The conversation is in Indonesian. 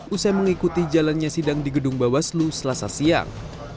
usai mengikuti jalannya sidang di gedung bawaslu selasa siang